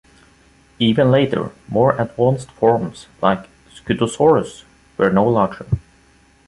Even later, more advanced forms, like "Scutosaurus", were no larger.